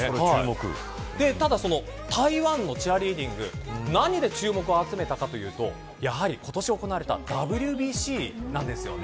ただ、台湾のチアリーディング何で注目を集めたかというとやはり、今年行われたＷＢＣなんです。